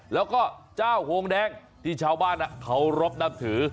แล้วก็เจ้าโฮงแดงที่ชาวบ้านเขารบนับถือ